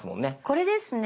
これですね。